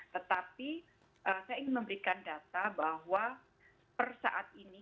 tetapi saya ingin memberikan data bahwa per saat ini